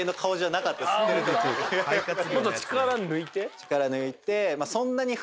力抜いて。